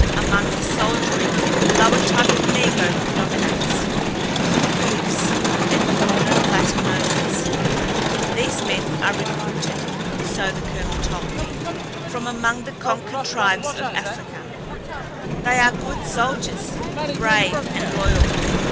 Among the soldiery a lower type of negro predominates, with thicker lips and broader, flatter noses. These men are recruited, so the colonel told me, from among the conquered tribes of Africa. They are good soldiers—brave and loyal.